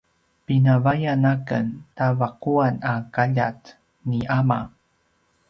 pinavayan a ken ta vaquan a kaljat ni ama